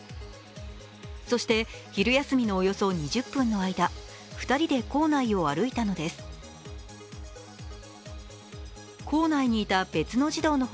そして昼休みのおよそ２０分の間、２人で校内を歩いたのです。